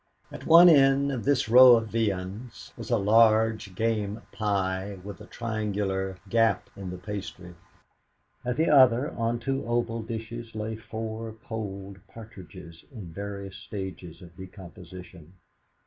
At one end of this row of viands was a large game pie with a triangular gap in the pastry; at the other, on two oval dishes, lay four cold partridges in various stages of decomposition.